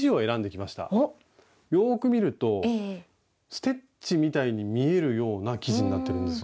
よく見るとステッチみたいに見えるような生地になってるんですよ。